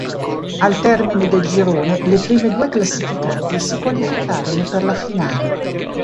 Al termine del girone le prime due classificate si qualificarono per la finale.